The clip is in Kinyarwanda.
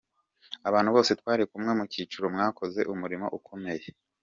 Abantu bose twari kumwe mu cyiciro mwakoze umurimo ukomeye.